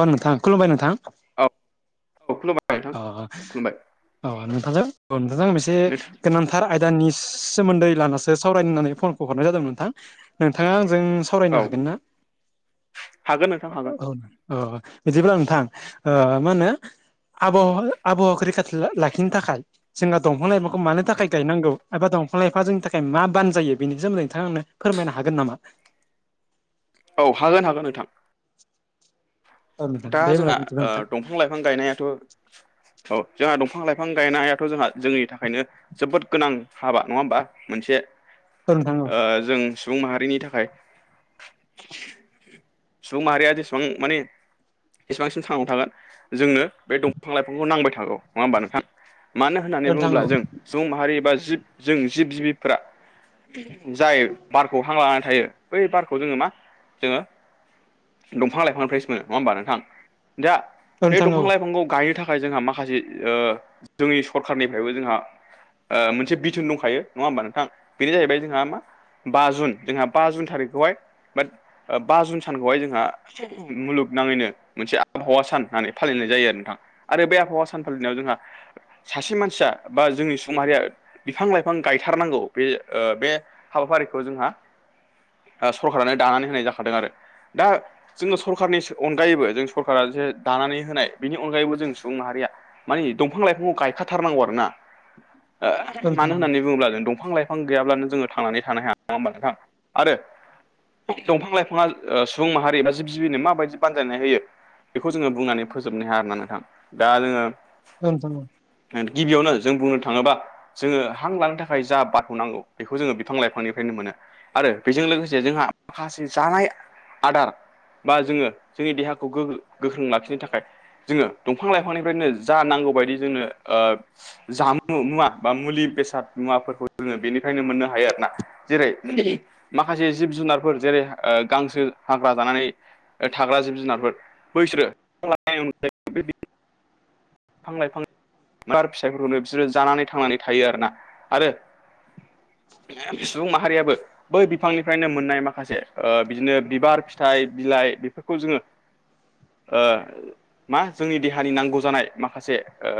औ नोंथां खुलुमबायाय नोंथां। औ औ खुलुमबाय। नोंथां अ खुलुमबाय औ नोंथांजों औ नोंथांजों मोनसे नोंथां गोनां -थार आयदानि सोमोन्दै लानासो सावरायनो होननानै फनखौ हरनाय जादोंमोन नोंथां नोंथाङा आंजों औ सावरायनो हागोन ना? हागोन नोंथां हागोन औ औ बिदिब्ला नोंथां ओ मा होनो आब' आबहावाखौ रैखाथि लाखिनो थाखाय। जोंहा दंफां लाइफांखौ मानि थाखाय गायनांगौ एबा दंफां-लाइफांआ जोंनि थाखाय मा बानजायो बेनि सोमोन्दै नोंथांआ आंनो फोरमायनो हागोन नामा? औ हागोन हागोन नोंथां। औ नोंथां दा दे होमब्ला बिदिबा जोंहा नोंथां दंफां-लाइफां गायनायाथ' औ जोंहा दंफां लाइफां गायनायाथ' जोंहा जोंनि थाखायनो जोबोद गोनां हाबा नङा होमबा मोनसे औ नोंथां औ ओ जों सुबुं माहारिनि थाखाय सुबुं माहारिया जेसेबां माने बेसेबांसिम थांना थागोन जोंनो बे दंफां-लाइफांखौ नांबाय थागौ नङा होमबा नोंथां? मानो औ होननानै नोंथां औ बुङोब्ला जों सुबुं माहारि एबा जिब जों जिब जिबिफ्रा जाय बारखौ हां लानानै थायो बै बारखौ जोङो मा जोङो दंफां लाइफांनिफ्राय मोनो। नङा होमबा नोंथां दा बे नोंथां औ दंफां लाइफांखौ गायनो थाखाय थाखाय जोंहा माखासे ओ जोंनि सरखारनिफ्रायबो जोंहा ओ मोनसे बिथोन दंखायो नङा होमबा नोंथां बेनो जाहैबाय जोंहा मा बा जुन जोंहा बा जुन थारिखखौहाय बाट ओ बा जुन सानखौहाय जोंहा मुलुग -नाङैनो मोनसे आबहावा सान होननानै फालिनाय जायो आरो नोंथां आरो बे आबहावा सान फालिनायाव जोंहा सासे मानसिया बा जोंनि सुबुं माहारिया बिफां-लाइफां गायथारनांगौ बे ओ बे हाबाफारिखौ जोंहा ओ सरखारानो दानानै होनाय जाखादों आरो दा जोंनो सरखारनि अनगायैबो जों सरकारा जे दानानै होनाय बेनि अनगायैबो जों सुबुं माहारिया मानिे दंफां लाइफांखौ गायखाथारनांगौ आरो ना औ ओ नोंथां औ मानो होननानै बुङोब्ला जों दंफां लाइफां बिफां गैयाब्लानो जोङो थांनानै थानो हाया नङा होमबा नोंथां आरो दंफां लाइफाङा ओ सुबुं माहारि एबा जिब जिबिनो माबायदि बानजायनाय होयो बेखौ जोङो बुंनानै फोजोबनो हाया आरा नोंथां दा जोङो [unintelligible] गिबियावनो जों बुंनो थाङोबा जोङो हां लानो थाखाय जा बारखौ नांगौ बेखौ जोङो बिफां लाइफांनिफ्रायनो मोनो। आरो बेजों लोगोसे जोंहा माखासे जानाय आदार बा जोङो जोंनि देहाखौ गोगो गोख्रों लाखिनो थाखाय जोङो दंफां लाइफांनिफ्रायनो जा नांगौ बायदि जोंनो ओ जामुं मुवा बा मुलि बेसाद मुवाफोरखौ जोङो बेनिफ्रायनो मोननो हायो आरो ना। जेरै माखासे जिब जुनारफोर जेरै ओ गांसो हाग्रा जानानै थाग्रा जिब जुनारफोर बैसोरो [inaudible] फां लायफां [unintelligible] बिसोरो जानानै थांनानै थायो आरो ना आरो सुबुं माहारियाबो बै बिफांनिफ्रायनो मोननाय माखासे ओ बिदिनो बिबार, फिथाइ, बिलाइ बेफोर खौ जोङो ओ मा जोंनि देहानि नांगौ जानाय माखासे ओ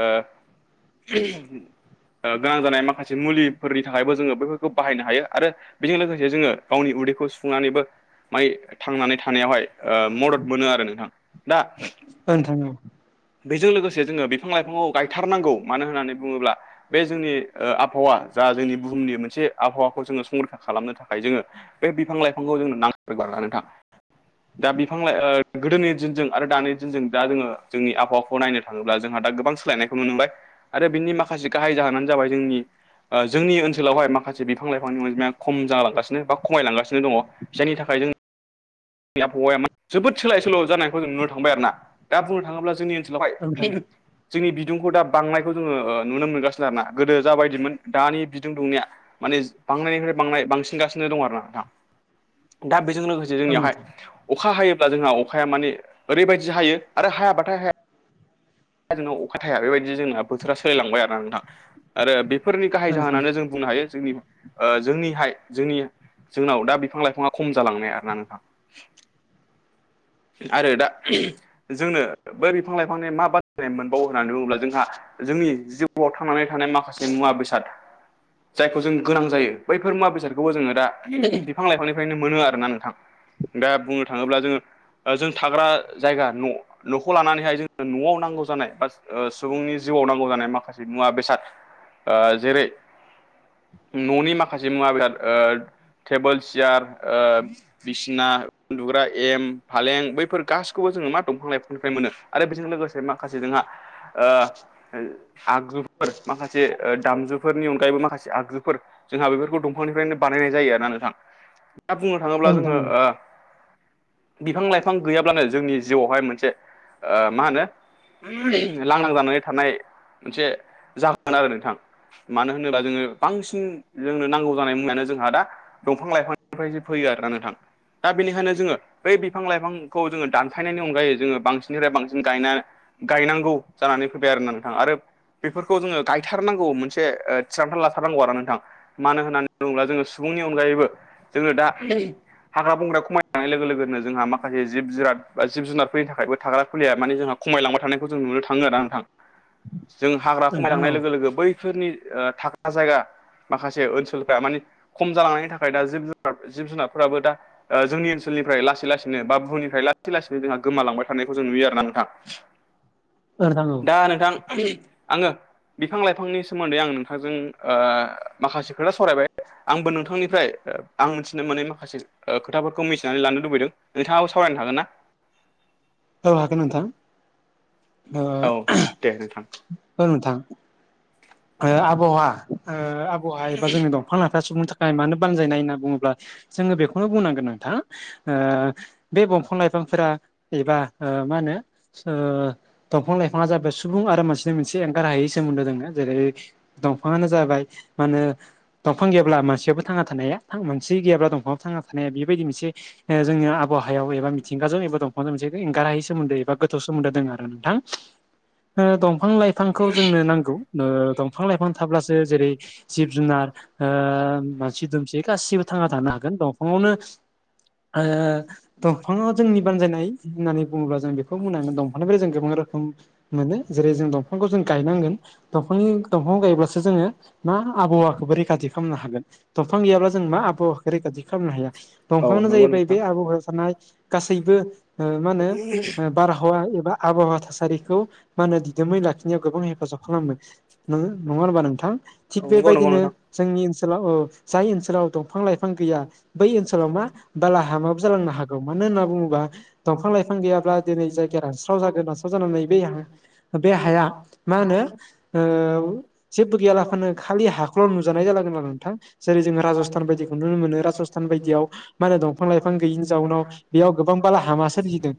[unintelligible] ओ गोनां जानाय माखासे मुलिफोरनि थाखायबो जोङो बैफोरखौ बाहायनो हायो आरो बेजों लोगोसे जोङो गावनि उदैखौ सुफुंनानैबो माय थांनानै थानायावहाय ओ मदद मोनो आरो नोंथां दा ओ नोंथां औ बेजों लोगोसे जोङो बिफां लाइफाङाव गायथारनांगौ मानो होननानै बुङोब्ला बे जोंनि ओ आबहावा जा जोंनि बुहुमनि मोनसे आबहावाखौ जोङो संरैखा खालामनो थाखाय जोङो बे बिफां लाइफांखौ जोंनो नांथारगौ आरोना नोंथां। दा बिफां लाइ ओ गोदोनि दिनजों आरो दानि दिनजों दा जोङो जोंनि आबहावाखौ नायनो थाङोब्ला जोंहा दा गोबां सोलायनायखौ नुनो मोनबाय। आरो बिनि माखासे गाहाय जाहोनानो जाबाय जोंनि ओ जोंनि ओनसोलावहाय माखासे बिफां लाइफांनि अनजिमाया खम जालांगासिनो बा खमायलांगासिनो दङ। जायनि थाखाय जों नि आबहावाया मा जोबोद सोलाय सोल' जानायखौ जों नुनो थांबाय आरो ना दा बुंनो थाङोब्ला जोंनि ओन [unintelligible] जोंनि बिदुंखौ दा बांनायखौ जोङो ओ नुनो मोनगासिनो आरोना गोदो जाबायदिमोन दानि बिदुं दुंनाया माने बांनायनिफ्राय बांनाय बांसिनगासिनो दं आरो ना नोंथां दा बेजों लोगो औ जोंनियावहाय अखा हायोब्ला जोंहा अखाया माने ओरैबायदि हायो आरो हायाबाथाय हाया जोंनाव अखा थाया बेबायदि जोंना बोथोरा सोलायलांबाय आरो ना नोंथां आरो बेफोरनि गाहाय नोंथां जाहोनानो जों बुंनो हायो जोंनि ओ जोंनिहाय जोंनि जोंनाव दा बिफां लाइफाङा खम जालांनाय आरोना नोंथां। आरो दा जोंनो बै बिफां लाइफांनि मा [unintelligible] मोनबावो होननानै बुङोब्ला जोंहा जोंनि जिउआव थांनानै थानाय माखासे मुवा बेसाद जायखौ जों गोनां जायो बैफोर मुवा बेसादखौबो जोङो दा बिफां लाइफांनिफ्रायनो मोनो आरोना नोंथां। दा बुंनो थाङोब्ला जोङो जों थाग्रा जायगा न' न'खौ लानानैहाय जोंनो न'आव नांगौ जानाय बा ओ सुबुंनि जिउआव नांगौ जानाय माखासे मुवा बेसाद ओ जेरै न'नि माखासे मुवा बेसाद ओ टेबोल सियार ओ बिसिना उन्दुग्रा एम फालें बैफोर गासिखौबो जोङो मा दंफां लाइफांनिफ्राय मोनो आरो बेजों लोगोसे माखासे जोंहा ओ आगजुफोर माखासे ओ दामजुफोरनि अनगायैबो माखासे आगजुफोर जोंहा बेफोरखौ दंफांनिफ्रायनो बानायनाय जायो आरोना नोंथां दा बुंनो औ थाङोब्ला नोंथां जोङो औ ओ बिफां लाइफां गैयाब्लानो जोंनि जिउआवहाय मोनसे ओ मा होनो लांदां जानानै थानाय मोनसे जागोन आरो नोंथां। मानो होनोब्ला जोङो बांसिन जोंनो नांगौ जानाय मुवानो जोंहा दा दंफां लाइफांनिफ्राय सो फैयो आरोना नोंथां। दा बेनिखायनो जोङो बै बिफां लाइफांखौ जोङो दानफायनायनि अनगायै जोङो बांसिननिफ्राय बांसिन गायनाय गायनांगौ जानानै फैबाय आरोना नोंथां आरो बेफोरखौ जोङो गायथारनांगौ मोनसे थिरांथा लाथारनांगौ आरो नोंथां। मानो होननानै बुङोब्ला जोङो सुबुंनि अनगायैबो जोंङनो दा हाग्रा बंग्रा खमायानाय लोगो लोगो [unintelligible] जोंहा माखासे जि जुनाद बा जिब जुनारफोरनि थाखायबो थाग्रा खुलिया माने जोंहा खमायलांबाय थानायखौ जों नुनो थाङो आरो। नोंथां जों हाग्रा नोंथां खमायलांनाय औ लोगो लोगो बैफोरनि थाख्रा जायगा माखासे ओनसोलफ्रा माने खम जालांनायनि थाखाय दा जिब जुनारफोराबो दा जोंनि ओनसोलनिफ्राय ला लासै लासैनो बा बुहुमफ्राय लाै लासैनो जोंहा गोमालांबाय थानायखौ जों नुयो आरो ना नोंथां। औ नोंथां औ दा नोंथां आङो। बिफां लाइफांनि सोमोन्दै आं नोंथांजों माखासे खोथा सावरायबाय आंबो नोंथांनिफ्राय आं मिथिनो मोननै माखासे खोथाफोरखौ मिथिनानै लानो लुबैदों नोंथाङाबो सावरायनो हागोन ना। औ हागोन नोंथां। औ दे नोंथां। [unintelligible] नोथां ओ आबहावा ओ आबहावा एबा जोंनि दंफां लाइफाया सुबुंनो थाखाय मानो बानजायनाय होनना बुङोब्ला जोङो बेखौनो बुंनांगोन नोंथां ओ बे दंफां लाइफांफोरा एबा ओ मा होनो ओ दंफां लाइफाङा जाबाय सुबुं आरो मानसिनि मोनसे एंगार हायै सोमोन्दो दंङ'। जेरै दंफाङानो जाबाय मा होनो दंफां गैयाब्ला मानसियाबो थांना थानोहाया। मोनसे गैयाब्ला दंफांङाव थांना थानाया बेबायदि मोनसे ओ जोंनि आबहावायाव एबा मिथिंगाजों एबा दंफांजों मोनसे एंगारहायि सोमोनदो एबा गोथौ सोमोन्दो दङ आरो नोंथां। ओ दंफां लाइफांखौ जोंनो नांगौ। ओ दंफां लाइफां थाब्लासो जेरै, जिब जुनार ओ मानसि दुमसि गासिबो थांना थानो हागोन दंफांआव नो ओ दंफाङा जोंनि बानजायनाय होननानै बुङोब्ला जों बेखौ बुंनांगोन दंफांनिफ्राय जों गोबां रोखोम माने जेरै जों दंफांखौ जों गायनांगोन दंफांनि दंफां गायोब्लासो जोङो मा आबहावाखौबो रैखाथि खालामनो हागोन दंफां गैयाब्ला जों मा आबहावाखौ रैखाथि खालामनो हाया। औ दंफाङआानो नंगौ जाहैबाय नोंथां बे आबहावा गासैबो मा होनो बारहावा एबा आबहावा थासारिखौ मा होनो दिदोमै लाखिनायाव गोबां हेफाजाब खालामो। नङा होमबा नोंथां थिग औ नंगौ नंगौ बेबायदिनो नोंथां जोंनि ओनसोलाव औ जाय ओनसोलाव दंफां लाइफां बिफां गैया बै ओनसोलाव मा बालाहा माबो जालांनो हागौ। मानो होनना बुङोबा दंफां लाइफां गैयाब्ला दिनै जायगाया रानस्राव जागोन रानस्राव जानानै बै बे हाया मा होनो। [unintelligible] औ जेबो गैयालाफोरानो खालि हाखखौल' नुजानाय जलाोन आरो नोंथां जेरै जों राजस्थान बायदिखौ नुनो मोनो राजस्थान बायदियाव मा होनो दंफां लाइफां गैयिनि जाउनाव बेयाव गोबां बाला हामा सोरजिदों।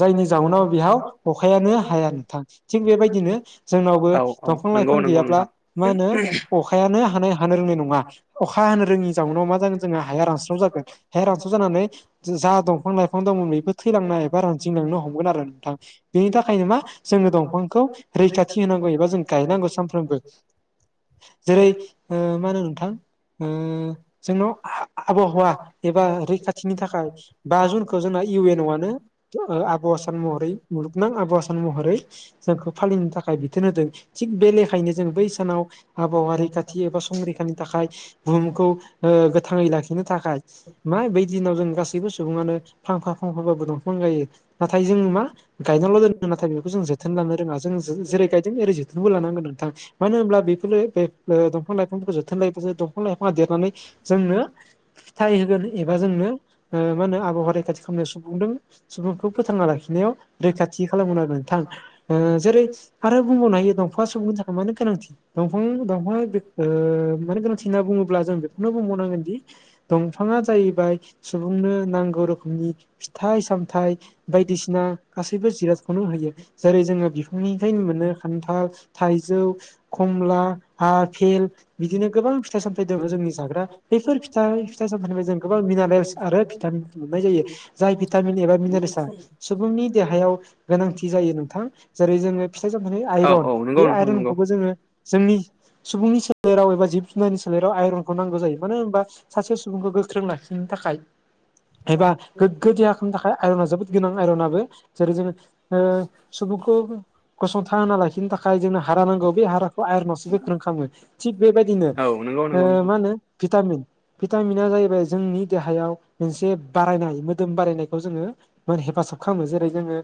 जायनि जाउनाव बेयआव अखायानो हाया नोंथां। थिग बेबायदिनो जोंनावबो औ औ दंफां नंगौ लाइफां नंगौ गैयाब्ला नोंथां मा होनो अखा अखायानो हानो रोंनाय नङा अखा हानो रोङि जाउोननाव मा [unintelligible] जागोन हाया रानस्राव जानानै जा दंफां लाइफां दं बे थैलांना एबा रानजिंलांनो हमगोन आरो नोंथां। बेनि थाखायनो मा जोङो दंफांखौ रैखाथि होनांगौ एबा जों [unintelligible] [unintelligible] जेरै ओ मा होनो नोंथां जोंनाव आबहावा एबा रैखाथिनि थाखाय बा जुनखौ जोंना इउ एन अ आनो आब' आसान महरै मुलुगनां आबौ आसान महरै जोंखौ फालिनो थाखाय बिथोन होदों। थिग बे लेखायनो जों बै सानाव आबहावा रैखाथि एबा संरैखानि थाखाय बुहुमखौ ओ गोथाङै लाखिनो थाखाय मा बै दिनाव जों गासैबो सुबुङानो फांफा फांफाबाबो दंफां गाइयो। नाथाय जों मा गायनाल' दोनो नाथाय बेखौ जों जोथोन लानो रोङा जों जे जेरै गायदों ओरै जो थोनबो लानांगोन नोंथां। मानो होनब्ला बेफोरनो बे [unintelligible] दफां लाइफांफोरखौ जोथोन लायोब्वासो दंफां लाइफाङा देरनानै जोंनो फिथाइ होगोन एबा जोंनो ओ मा होनो आबहावा रैखाथि खालामनायाव सुबुंदों। सुबुंखौ फोथांना लाखिनायाव रैखाथि खालामगोन आरो नोंथां। ओ जेरै आरो बुंबावनो हायो सुबुं सानखौ मानो गोनांथि? दंफां दफां बेख ओ माने गोनांथि होनना बुङोब्ला जों बेखौनो बुंबावनांगोन दि दंफाङा जाहैबाय सुबुंनो नांगौ रोखोमनि फिथाइ सामथाइ बायदिसिना गासैबो जिरादखौनो होयो। जेरै जोङो बिफांनिफ्रायनो मोनो खान्थाल थाइजौ खमला आफेल बिदिनो गोबां फिथाइ सामथायाइ दङ जोंनि जाग्रा बेफोर फिथाइ फिथाइ सामथाइनिफ्राय जों गोबां मिनारेल्स आरो भिटामिन मोननाय जायो। जाय भिटामिन एबा मिनारेसया सुबुंनि दे देहायाव गोनांथि जायो नोंथां जेरै जोङो फिथाइ सामथाइनि औ आइरन औ बे नंगौ नोंथां नंगौ आइरनखौबो जोङो जोंनि सुबुंनि सोलेराव एबा जिब जुनारनि सोलेराव आइरनखौ नांगौ जायो। मानो होनबा सासे सुबुंखौ गोख्रों लाखिनो थाखाय एबा गोग्गो देहा खालामनो थाखाय आइरना जोबोद गोनां आयरनाबो जेरै जोङो ओ सुबुंखौ गसंथाह होना लाखिनो था खाय जोंनो हारा नांगौ बे हाराखौ आयनावसो गोख्रों खालामो। थिग बेबायदिनो औ नंगौ ओ नंगौ नोंथां मा हो नो भिटामिन भिटामिना जाहैबाय जोंनि देहायाव मोनसे बारायनाय मोदोम बारायनायखौ जोङो [unintelligible] हेफाजाब खालामो जेरै जोङो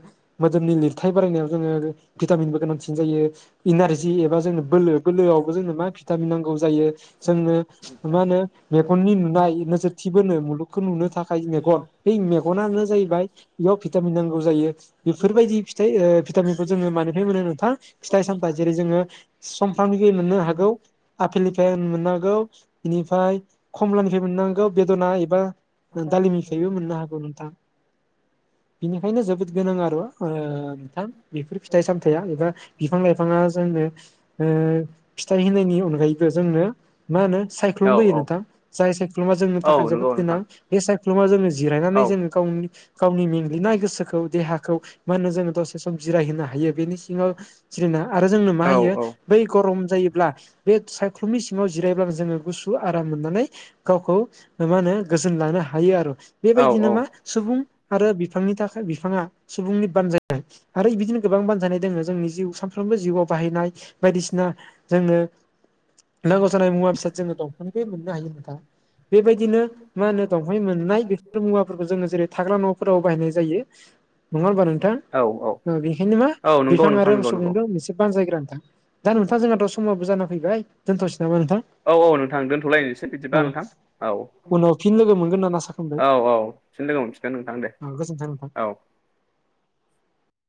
मोदोमनि लिरथाय बारायनायाव जोङो आरो भिटामिनबो गोनांसिन जायो। इनारजि एबा जोंनो बोलो बोलोआवबो जोंनो मा भिटामिन नांगौ जायो जोंनो मा होनो मेगननि नुनाय नोजोरथिबोनो मुलुगखौ नुनो थाखाय मेगन बै मेगनानो जाहैबाय बेयाव भिटामिन नांगौ जायो। बेफोरबायदि फिथाइ ओ भिटामिनखौ जोङो मानिफ्राय मोनो नोंथां? फिथाइ सामथायाइ जेरै जोङो समफ्रामनि मोननो हागौ आफेलनिफ्राय उम मोननो हागौ। बेनिफ्राय कमलानिफ्राय मोननो नांगौ बेदना एबा दालिमनिफ्रायबो मोननो हागौ नोंथां। बिनिखायनो जोबोद गोनां आरो ओ नोंथां बेफोर फिथाइ सामथायाइया एबा बिफां लाइफाङा जोंनो ओ फिथाइ होनायनायनि अनगायैबो जोंनो मा होनो साइक्लुुम औ होयो औ नोंथां। जाय सायख्लुमा जोंनि औ थाखाय जोबोद नंगौ गोनां नोंथां बे सायख्लुमा जोङो जिरायनानै औ जोङो गावनि गावनि मेंग्लिनाय गोसोखौ देहाखौ मा होनो जोङो दसे सम जिरायहोनो हायो बेनि सिङाव जिरिना आरो जोंनो मा औ होयो औ बै गरम जायोब्ला बे सायख्लुमनि सिङाव जिरायब्लानो जोङो गुसु आराम मोननानै गावखौ मा होनो गोजोन लानो हायो आरो। बेबायदिनो मा सुबुं आरो बिफांनि थाखाय बिफाङा सुबुंनि बानजायनाय आरो बिदिनो गोबां बानजानाय दङो जोंनि जिउ सानफ्रोमबो जिउआव बाहायनाय बायदिसिना जोंनो नांगौ जानाय मुवा बेसाद जोङो दंफांनिखौ मोननो हायो नोंथां। बेबायदिनो मा होनो दंफाय मोननाय बेफोर मुवाफोरखौ जोङो जेरै थाग्रा न'फोराव बाहायनाय जायो नङा होनबा नोंथां? औ बेनिखायनो मा औ नंगौ बिफां आरो नोंथां नंगौ नंगौ मोसौनोबो मोनसे बानजायग्रा नोंथां। दा नोंथां जोंहाथ' समाबो जाना फैबाय दोनथ'सै नामा नोंथां? औ औ नोंथां दोनथ'लायनोसै औ बिदिबा नोंथां औ। उनाव फिन लोगो मोनगोन होननानै आसा खालामबाय औ औ फिन लोगो मोनफिनगोन नोंथां दे गोजोन्थों नोंथां। औ।